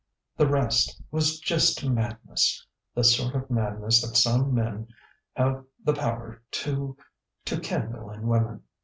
"The rest ... was just madness, the sort of madness that some men have the power to to kindle in women.